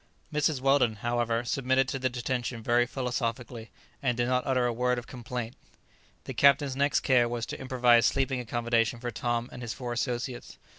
Mrs. Weldon, however, submitted to the detention very philosophically, and did not utter a word of complaint. The captain's next care was to improvise sleeping accommodation for Tom and his four associates.